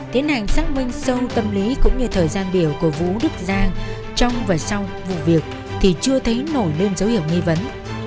tiến hành xác minh sâu tâm lý cũng như thời gian biểu của vũ đức giang trong và sau vụ việc thì chưa thấy nổi lên dấu hiệu nghi vấn